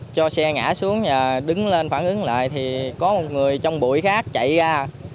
cho xe ngã xuống và đứng lên phản ứng lại thì có một người trong bụi khác chạy ra